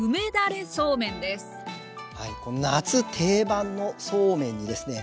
夏定番のそうめんにですね